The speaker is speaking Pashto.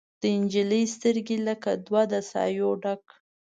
د نجلۍ سترګې لکه دوه د سايو ډک